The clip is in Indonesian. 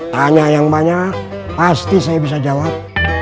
tanya yang banyak pasti saya bisa jawab